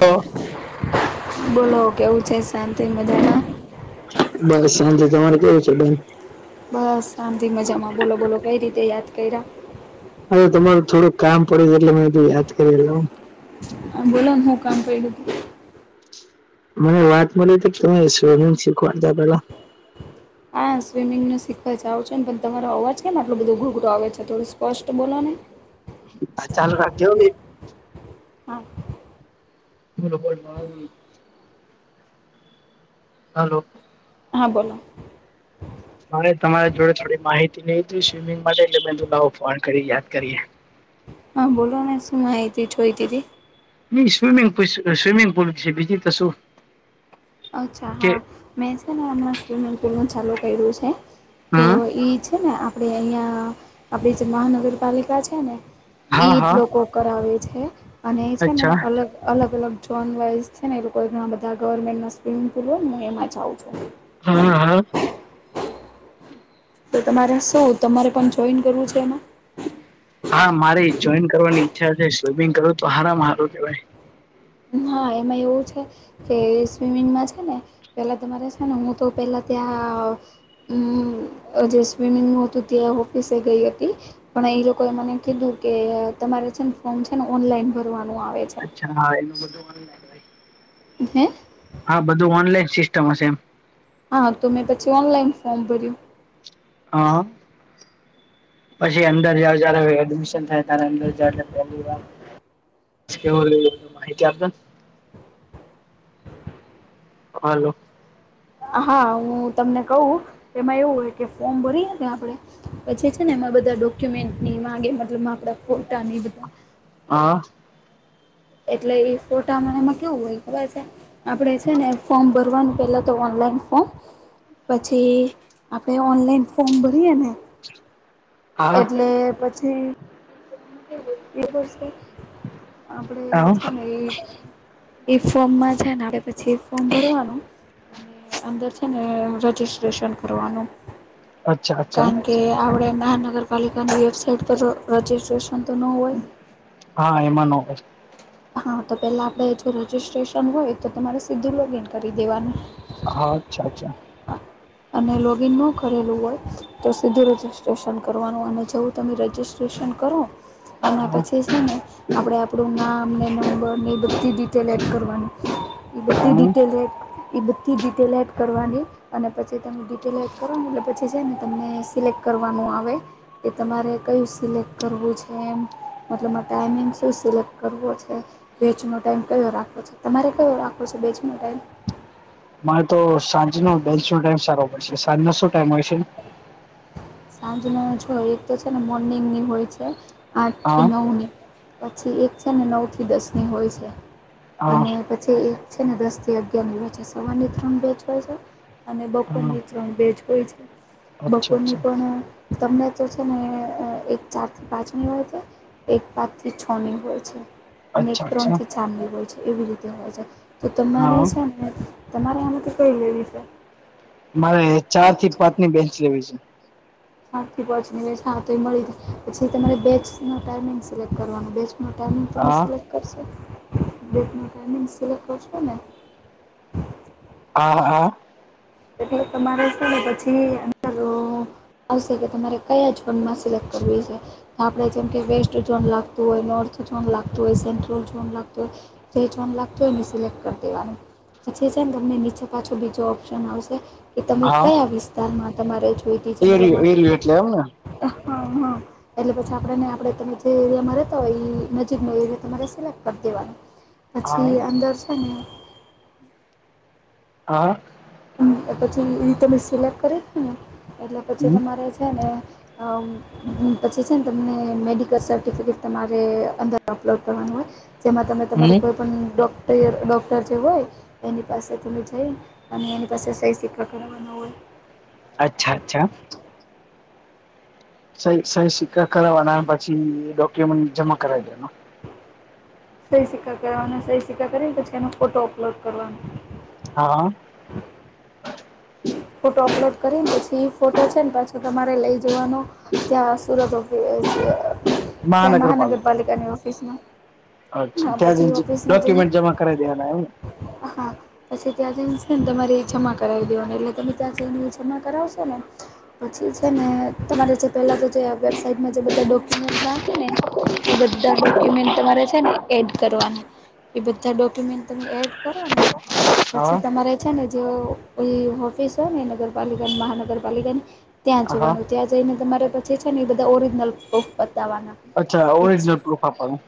તો બોલો કેવું છે? શાંતિ મજામાં. બસ સાંજે તમારે કેવું છે! બેન... બસ શાંતિ મજામાં બોલો બોલો કઈ રીતે યાદ કર્યા? હવે તમારું થોડુંક કામ પડ્યું. એટલે, મે એ કીધું યાદ કરી લવ. હા બોલો શું કામ પડ્યું? મને વાત મળી તી કે તમે સ્વિમિંગ શીખવાડતા પેલા! હા સ્વિમિંગને શીખવા જાવ છુ ને પણ, તમારો અવાજ કેમ આટલો બધો ઘોઘરો આવે છે? થોડું સ્પષ્ટ બોલો ને! હ ચાલુ રાખજે હો બેન! હા એલો [inaudible] હલો. હા બોલો! મરે તમારા જોડે થોડી માહિતી લેવી હતી. સ્વિમિંગ માટે એટલે મને થયું ફોન કરી યાદ કરીએ. હા બોલો ને શું માહિતી જોઈતી હતી? સ્વિમિંગ તો સ્વિમિંગ પુલ છે બીજી તો શું? અચ્છા કે હા મેં છે, ને હમણાં સ્વિમિંગ પુલનું ચાલુ કર્યું છે. તો હમ એ છે ને આપણે અહિયાં આપડી જે મહાનગરપાલિકા છે ને! હા એજ હા લોકો કરાવે છે, અને એ છે ને અચ્છા અલગ -અલગ.... જોન વાઇઝ છે ને એ લોકો ઘણા બધા ગવર્મેન્ટના સ્વિમિંગ પુલ હોય હું એમાં જાઉં. છું હા હા. તો તમારે શું? તમારે પણ જોઈન કરવું છે એમાં. હા મારે જોઈન કરવાની ઈચ્છા છે. સ્વિમિંગ કરવું તો સારામાં સારું કેહેવાય. હા એમાં એવું છે. કે સ્વિમિંગમાં છે, ને પેલા તમારે છે ને હું તો પેલા ત્યાં. જે સ્વિમિંગનુ હતું. ત્યાં ઓફિસે ગઈ હતી. પણ એ લોકોએ મને કીધું કે તમારે છે ને ફોર્મ છે ને ઓનલાઈન ભરવાનું આવે. છે હા એ બધો હ. હા બધું ઓનલાઈન સિસ્ટમ હશે એમ. હા તો મેં પછી ઓનલાઈન ફોર્મ ભર્યું. હા. પછી અંદર જાઓ જયારે એડમિશન થાય ત્યારે અંદરજાઓ એટલે પહેલી વાર [unintelligible] હલો. હા હું તમને કહ એમાં એવું હોય કે ફોર્મ ભરીએને આપણે પછ છે ને એમાં બધા ડોક્યુમેન્ટને ઈ માંગે મતલબમાં આપડા ફોટાને એ બધું. હા. એટલે એ ફોટામાં એમાં કેવું હોય ખબર છે આપડે છે ને ફોર્મ ભરવાનું પેલા તો ઓનલાઈન ફોર્મ પછી આપણે ઓનલાઈન ફોર્મ ભરીએ ને હા એટલે પછી એક વર્ષ પછી આપડે છે હા ને એ ફોર્મમાં છેને આપડે પછી ફોર્મ ભરવાનું અને અંદર છે ને રજીસ્ટ્રેશન કરવાનું. અચ્છા અચ્છા. કારણ કે આપણે મહાનગરપાલિકાની વેબસાાઈટ પર રજીસ્ટ્રેશન તો ન હોય. હા એમાં નો હોય. હા તો પેલા આપણે જો રજિસ્ટ્રેશન હોય તો તમારે સીધું લોગઇન કરી દેવાનું. હા અચ્છા અચ્છા. અને લોગ ઇન ન કરેલું હોય ત્યાં સુધી રજિસ્ટ્રેશન કરવાનું અને જેવું તમે રજીસ્ટ્રેશન કરો એના હા પછી છે ને આપડે આપણું નામ ને નંબર ને એ બધી ડિટેલ એડ કરવાની. એ બધી હા ડિટેલ એડ એ બધી ડિટેલ એડ કરવાની. અને પછી તમે ડિટેલ એડ કરો ને એટલે પછી છે ને તમને સિલેક્ટ કરવાનું આવે. કે તમારે કયું સિલેક્ટ કરવું છે એમ. એટલે તમારે ટાઈમિંગ શું સિલેક્ટ કરવો છે. બેચનો ટાઈમ કયો રાખવો છે તમારે કયો રાખવો છે બેચનો ટાઈમ. મારે તો સાંજ નો દસ નો ટાઈમ સારો પડશે સાંજ નો શું ટાઈમ હોય છે. સાજનો જો એક તો છે ને મોર્નિંગ ની હોય છે આઠથી હા નવ ની. પછી એક છે ને નવથી દસની હોય છે. હા હા અને પછી એક છે ને દસ થી અગિયાર ની વચ્ચે સવારની ત્રણ બેચ હોય છે. અને બપોરની ત્રણ બેચ હોય છે અચ્છા બપોરની અચ્છા તમને તો છે ને એક ચાર થી પાંચમી [unintelligible] હોય છે. એક પાંચથી છની હોય છે. અને એક અચ્છા ત્રણ અચ્છા થી ચારની હોય છે એવી રીતે હોય છે તો તમારે હા છે ને તમારે આમાંથી કઈ લેવી છે. મારે ચાર થી પાંચ ની બેચ લેવી છે. ચાર થી પાંચ ની હા તો એ મળી જશે પછી તમારે બેચનો ટાઈમિંગ સિલેક્ટ કરવાનો બેચ ટાઈમિંગ તમે હા સિલેક્ટ કરશો બેચ નો ટાઈમિંગ સિલેક્ટ કરશો ને હા હા એટલે તમારે છે ને પછી અંદરો આવશે તો તમારે કયા ઝોનમાં સિલેક્ટ કરવી છે. આપડે જેમ કે વેસ્ટ ઝોન લાગતું હોય નોર્થ ઝોન લાગતું હોય સેન્ટ્રલ ઝોન લાગતું હોય જે ઝોન લાગતું હોયને સિલેક્ટ કરી દેવાનું પછી છે ને તમને નીચે પાછો બીજો [unintelligible] આવશે કે તમે કયા વિસ્તારમાં તમારે જોઈ એરિયો એરિયો એટલે એમ ને હા હા. એટલે પછી આપને આપણે તમે જે એરિયામાં રહેતા હોય એ નજીકનો એરિયા તમારે સિલેક્ટ કરી દેવાનું. હા પછી અંદર છે ને હા પછી ઈ તમે સિલેક્ટ કરી ને એટલે પછી હમ તમારે ને હ પછી છે ને તમને મેડિકલ સર્ટિફિકેટ તમારે અંદર અપલોડ કરવાનું હોય જેમાં તમે તમારે હમ કોઈ પણણ ડોક્ટર ડોક્ટર જે હોય એની પાસે તમે જઈ અને એની પાસે સહી સિક્કા કરાવવાનો હોય. અચ્છા અચ્છા. સહી સહી સિક્કા કરાવવાના પછી ડોક્યુમેન્ટ જમા કરાવી દેવાનો સહી સિક્કા કરવાનો સહી સિક્કા કરીને પછી એનો ફોટો અપલોડ કરવાનો. હા. ફોટો અપલોડ કરીને પછી ફોટો છે પાછો તમારે લઈ જવાનો ત્યાં સુરત ઓફિસે ત્યાં મહાનગરપાલિકા મહાનગરપાલિકાની ઓફિસમાં પછી ઓફિસમાં જઈને કરાઇ દેવના એમ ને હા. પછી ત્યાં જઈ છે ને તમારે જમા કરાવી દેવાનું એટલે તમે ત્યાં જને જમા કરાવશો ને પછી છે ને તમારે જે પહેલાં તો જે વેબસાાઈટમાં જે બધા ડોક્યુમેન્ટ રાખે ને એ બધા ડોક્યુમેન્ટ તમારે છે ને એડ કરવાના એ બધા ડોક્યુમેન્ટ તમે એડ કરો ને પછી તમારે છેને જો કોઈ ઓફિસ હોય ને નગરપાલિકાની મહાનગરપાલિકાની ત્યાં હા હા જોવાનું ત્યાં જઈને તમારે પછી છે ને એ બધા ઓરિજનલ પ્રૂફ બતાવવાના અચ્છા પછી ઓરીજનલ પ્રૂફ આપવાનું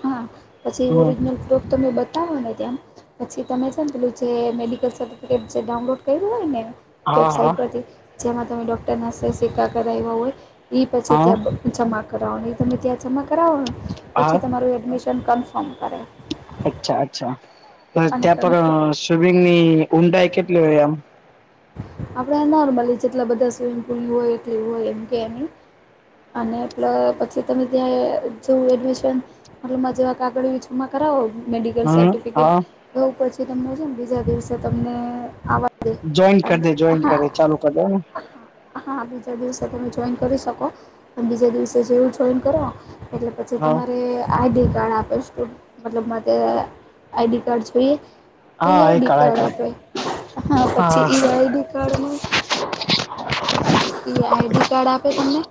હા પછી હમ ઓરિજનલ પ્રૂફ તમે બતાવો ને ત્યાં પછી તમે છેને પેલું જે મેડિકલ સર્ટિફિકેટ જે ડાઉનલોડ કર્યું હોય ને હા હા વેબસાઇટ પરથી જેમાં તમે ડોક્ટર ના સહી સિકકા કરાવ્યા હોય એ પછી હા ત્યાં જમા કરાવનું એ તમે ત્યાં જમા કરાવો ને હા પછી તમારું એડમિશન કન્ફર્મ કરે. અચ્છા અચ્છા અને ત્યાં પર કન્ફર્મ સ્વિમિંગની ઊંડાઈ કેટલી હોય આમ આપડે નોર્મલી જેટલા બધા સ્વિમિંગ પુલની હોય એટલી હોય કે એની અને પ્લસ પછી તમે ત્યાં જેવું એડમિશન રૂમ માં જવા આાગળ જમા કરવો મેડિકલ હમ સર્ટિફિકેટ હા એ પછી તમને છે ને બીજા દિવસે તમને આવા દે જોઈન કરી દે જોઈન હા કરો ચાલુ કર દો ને. હા બીજા દિવસે તમે જોઈન કરી શકો અને બીજા દિવસે જેવું જોઈન કરો એટલે પછી હા તમારે આઈ ડી કાર્ડ આપેશ બોલ મતલબ મતે આઈ ડી કાર્ડ જોઈએ? તો એ હા આઈ ડી કર એ કાર્ડ કર આપે. હા પ આઈ ડી કાર્ડમાં ઈ આઈ ડી કાર્ડ આપે તમને?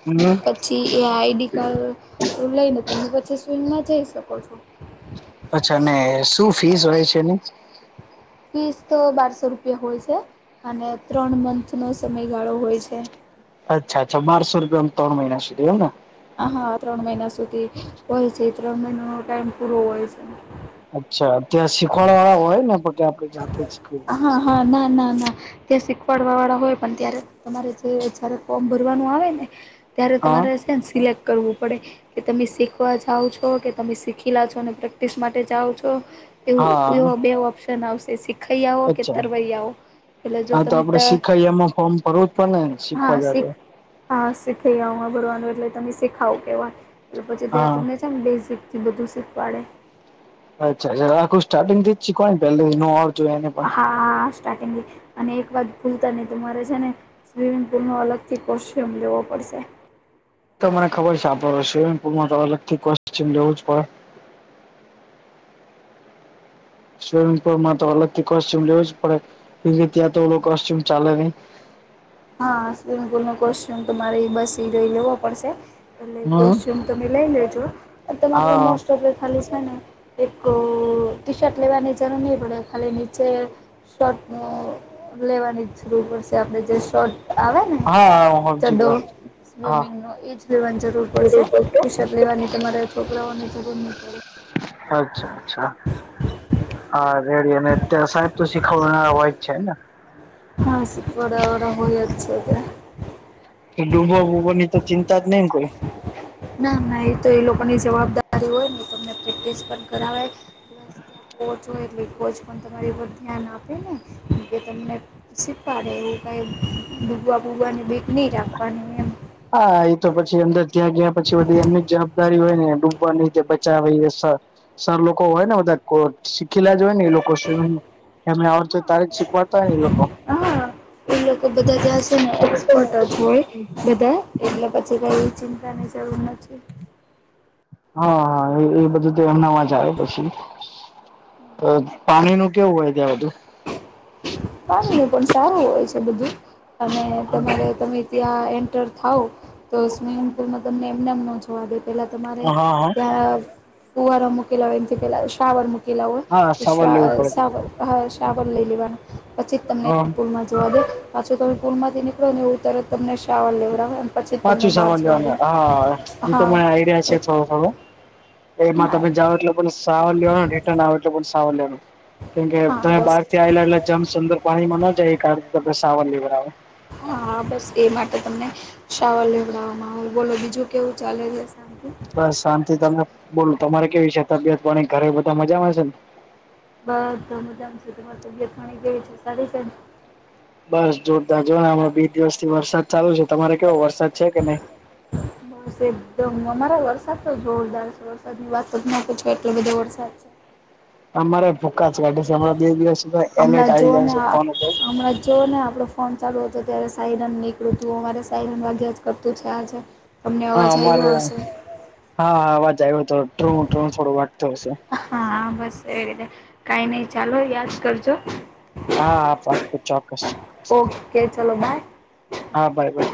[unintelligible] પછી એ આઈ ડી કાર્ડ લઈને તમે પછી સ્કૂલમાં જઈ શકો છો. અચ્છા અને શું ફીસ હોય છે એની? ફીસ તો બારસો રૂપિયા હોય છે, અને ત્રણ મંથનો સમયગાળો હોય છે. અચ્છા અચ્છા બારસો રૂપિયામાં તણ મહિના સુધી એમ ન હ હા ત્રણ મહિના સુધી હોય છે ત્રણ મહિનોનો ટાઈમ પૂરો હોય છે. અચ્છા ત્યાં શીખવાડવાવાળા હોય ન પછી આપણે જાતે જ શીખવી હા હા ના ના ના ત્યાં શીખવાડવા વાળા હોય પણ ત્યારે તમારે જે જયારે ફોર્મ ભરવાનું આવે ને ત્યારે હા તમારે ત્યાં ને સિલેક્ટ કરવું પડે કે તમે શીખવા જાઓ છો કે તમે શીખેલા છો અને પ્રેક્ટિસ માટે જાઓ છો એવું હા એવા બે ઓપ્શન આવશે શીખ ખ‌ઇયાઓ કે અચ્છા તરવૈયાઓ એટલે જો તમે ત ઈઝામનું ફોર્મ ભરવું જ પડેન હા શીખ હા શીખૈયાઓમા ભરવાનું એટલે તમે શીખાવ કેવાવ એટલે પછી ત્યાં તમને હા છેને બેઝિકથી બધું શીખવાડે અચ્છા આ આખુ સ્ટાર્ટિંગથી જ શીખાવે ને પેલેથી નો આવડતું હોય એને પણ હા હા સ્ટાર્ટિંગથી અને એક વાત ભૂલતા નય તમારે છે ને સ્વિમિંગપુલનો અલગથી કોશ્યુમ લેવો પડશે. એ તો મને ખબર છે આપડ સ્વિમિંગપુલમાં તો અલગથી કોસ્ચ્યુમ લેવું જ પડે. સ્વિમિંગપુલમાં તો અલગથી કોસ્ચ્યુમ લેવો જ પડે એને ત્યાં તો ઓલો કોસ્ચ્યુમ ચાલે ન‌ઈ. હા સ્વિમિંગપુલનો કોસ્ચ્યુમ તમારે ઈ બસ‌ઇ રયોઈ લેવો પડશે. એટલે હમ કોસ્ચ્યુમ તમે લઈ લેજો અને તમારે તો હા મોસ્ટ ઓફ ખાલી છે ને એક અહ ટી શર્ટ લેવાની જરૂર નહી પડે ખાલી નીચે શોર્ટ અહ લેવાની જરૂર પડશે આપડે જે શોટ આવે ને હા હા હું હમજી ચડ્ડો ગયો હા સ્વિમિંગનો એજ લેવાની જરૂર પડશે ટી શર્ટ લેવાની તમારા છોકરાઓને જરૂર નહી પડે. અચ્છા અચ્છા હા રેડી અને ત્યાં સાહેબ તો શીખવનારા હોય જ છે ને હા શીખવાડવા વાળા હોય જ છે ત્યાં. ડૂબો બૂબોની તો ચિંતા જ નહી ને કોઈ? ના ના એ તો એ લોકોની જવાબદારી હોય ને તમને પ્રેક્ટિસ પણ કરાવાય ત્યાં કોચ હોય એટલે ઈ કોચ પણ તમારી ઉપર ધ્યાન આપે ને કે તમને શીખવાડે એવું કાઈ ડૂબવા બુબવાની બીક નહી રાખવાની એમ હા એ તો પછી અંદર ત્યાં ગયા પછી બધી એમની જ જવાબ દારી હોય ને ડૂબવાની કે બચાવીએ સર સર લોકો હોય ને બધા કોચ શીખેલા જ હોય ને એ લોકો સ્વીમીંગ એમને આવડતું હોય તારે જ શીખવાડતા હોયને એ લોકો હા એ લોકો બધા ત્યા છે ને એક્સપર્ટ જ હોય બધા એટલે પછી કંઈ ચિંતાની જરૂર નથી. હા હા એ ઈ બધું તો એમનામાં જ આવે પછી ત પાણીનું કેવું હોય ત્યાં બધું? પાણીનું પણ સારું હોય છે બધું. અને તમારે તમે ત્યાં એન્ટર થાવ તો સ્વિમિંગ પુલમાં તમને એમને એમ ન જોવા દે, પેલા તમારે હા હા ત્યાં કુવારા મૂકેલા હોય, એમથી પેલા શાવર મુૂકેલા હોય હા સામાન લેવું શ પડે સાવર. ર લઈ લેવાનું, પછી તમને હ પુલમાં જોવા દે. પાછો તમે પુલમાંથી નીકળો ને, એવું ત્યારે તમને શાવર લેડાવે ને. પાછું સવાર લેવાનું. હા, એ તો હા મને આઈડિયા છે. થોડું-થોડું એમાં હા તમે જાઓ એટલે બ સવાર લેવાને, રિટર્ન આવો, એટલે બ સવાર લેવાનું. કેમ કે હા તમે બસ બહાર થી આવેલા, એટલે જમ સુંદર પાણીમાં ન જાય, એ કાર ત સાવન લેવના. હા, બસ એ માટે તમને શાવર લેવડાવવામાં આવ, બોલો બીજું કેવું ચાલે રહ શાંતથી? બસ શાંતિ, તમે બોલ તમારે કેવીશે તબિયત પાણી ઘરે બધા મજામાંશે ને. બસ તમે તમ છે, તમારી તબિયત પણી કેવી છે, સારી છે. બસ જોરદાર, જોને હમણાં બે દિવસથી વરસાદ ચાલુ છે, તમારે કેવો વરસાદ છે કે નહી? વર એકદમ અમારા વરસાદ તો જોરદાર છે, વરસાદ ની વાત તો ના છે, આટલો બધો વરસાદ છે. અમારે ભૂકા જ કાઢી છે. હ, બે દિવસ સુધ એલટ હમણાં આવી જો જાય ને છે, આ ફોન ઉપર. હમણાં જો ને આપણો ફોન ચાલુ હતો, ત્યારે સાયરન નીકળું તું, અમારે સાયરન વાગ્યા જ કરતું છે આજ. હા, અમારે હા, અવાજ આવ્યો હતો, ટ્ર-ટ્ર થોડું વાટતું હશે. હા, બસ એ રી છે, કઈ નહી. ચાલો યાદ કરજો, હા હા પાકું ચોક્કસ ચોક્કસ ઓકે, ચલો બાય. હા, બરાબર.